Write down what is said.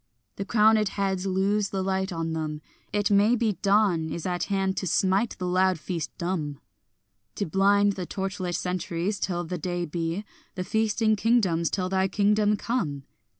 The crowned heads lose the light on them; it may be Dawn is at hand to smite the loud feast dumb; To blind the torch lit centuries till the day be, The feasting kingdoms till thy kingdom come.